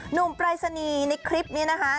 ปรายศนีย์ในคลิปนี้นะคะ